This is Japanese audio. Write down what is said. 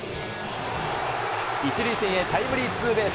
１塁線へタイムリーツーベース。